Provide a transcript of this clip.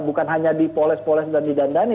bukan hanya dipoles poles dan didandani